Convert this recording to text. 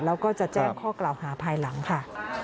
แล้วก็จะแจ้งข้อกล่าวหาภายหลังค่ะ